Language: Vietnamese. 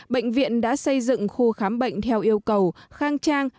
bệnh viện đã xây dựng khu khám bệnh theo yêu cầu khang trang